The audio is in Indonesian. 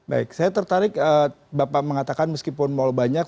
baik saya tertarik bapak mengatakan meskipun mal banyak